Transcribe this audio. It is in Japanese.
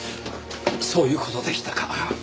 そういう事でしたか。